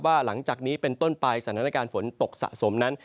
หลังจากนี้เป็นต้นไปสถานการณ์ฝนตกสะสมนั้น